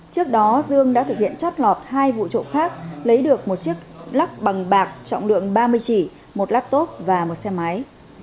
trước đó dương đã thực hiện chót lọt hai vụ trộm khác lấy được một chiếc lắc bằng bạc trọng lượng ba mươi chỉ một laptop và một xe máy